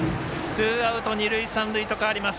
ツーアウト、二塁、三塁と変わります。